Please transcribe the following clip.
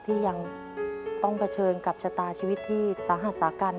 ที่ยังต้องเผชิญกับชะตาชีวิตที่สาหัสสากัน